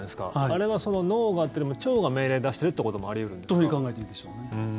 あれは脳がというよりも腸が命令出しているということもあり得るんですか？というふうに考えていいでしょうね。